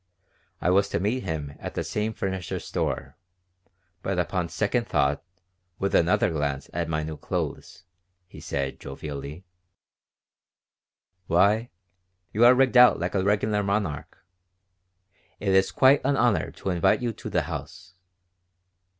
I was to meet him at the same furniture store; but upon second thought, and with another glance at my new clothes, he said, jovially: "Why, you are rigged out like a regular monarch! It is quite an honor to invite you to the house.